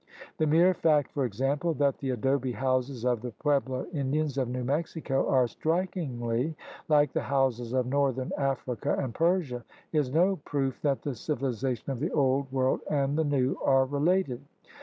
The mere fact, for example, that the adobe houses of the Pueblo Indians of New Mexico are strikingly like the houses of northern Africa and Persia is no proof that the civilization of the Old World and the New are related.